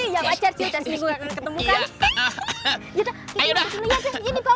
ya pak cetri udah sih